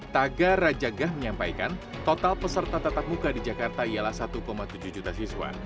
taga rajagah menyampaikan total peserta tetap muka di jakarta ialah satu tujuh juta siswa